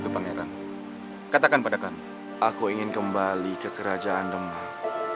karena hanya dari gusti allah